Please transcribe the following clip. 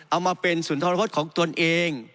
เอามาเป็นสุนทรพศของตนเอง